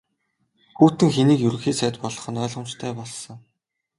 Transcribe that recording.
Путин хэнийг Ерөнхий сайд болгох нь ойлгомжтой болсон.